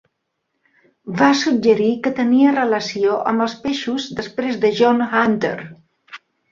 Va suggerir que tenia relació amb els peixos després de John Hunter.